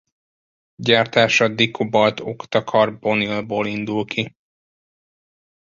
Gyártása dikobalt-oktakarbonilból indul ki.